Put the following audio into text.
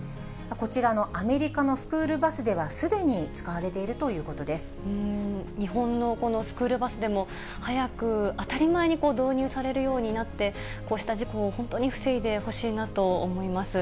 こちらのアメリカのスクールバスでは、すでに使われているという日本のこのスクールバスでも、早く当たり前に導入されるようになって、こうした事故を本当に防いでほしいなと思います。